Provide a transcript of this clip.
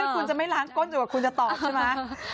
คุณจะไม่ล้างก้นอยู่กับคุณจะตอบใช่ไหม